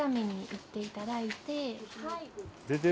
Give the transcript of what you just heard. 「いっていただいて」って。